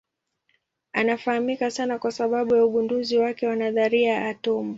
Anafahamika sana kwa sababu ya ugunduzi wake wa nadharia ya atomu.